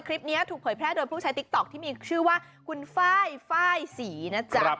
คลิปนี้ถูกเผยแพร่โดยผู้ใช้ติ๊กต๊อกที่มีชื่อว่าคุณไฟล์ไฟล์ศรีนะจ๊ะ